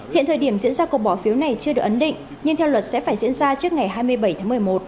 hiện thời điểm diễn ra cuộc bỏ phiếu này chưa được ấn định nhưng theo luật sẽ phải diễn ra trước ngày hai mươi bảy tháng một mươi một